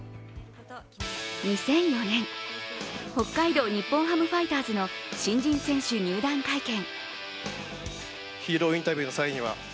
２００４年、北海道日本ハムファイターズの新人選手入団会見。